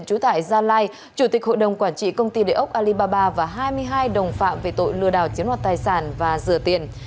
chú tại gia lai chủ tịch hội đồng quản trị công ty địa ốc alibaba và hai mươi hai đồng phạm về tội lừa đảo chiếm hoạt tài sản và rửa tiền